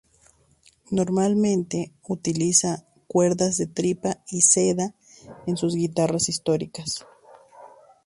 Normalmente utiliza cuerdas de tripa y seda en sus guitarras históricas.